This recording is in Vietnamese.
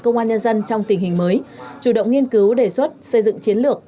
công an nhân dân trong tình hình mới chủ động nghiên cứu đề xuất xây dựng chiến lược